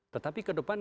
tetapi ke depan